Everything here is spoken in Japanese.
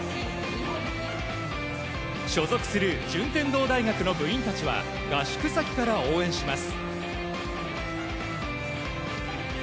所属する順天堂大学の部員たちは合宿先から応援します。